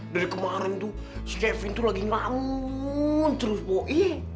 dari kemarin tuh si kevin tuh lagi ngelamun terus po iya